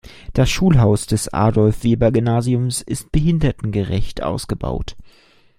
Das Schulhaus des Adolf-Weber-Gymnasiums ist behindertengerecht ausgebaut.